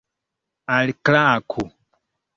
alklaku